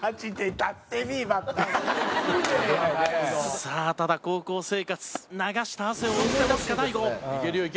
さあただ高校生活流した汗を思い出すか大悟。